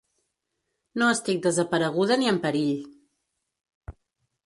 No estic desapareguda ni en perill.